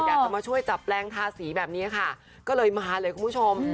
อยากจะมาช่วยจับแปลงทาสีแบบนี้ค่ะก็เลยมาเลยคุณผู้ชม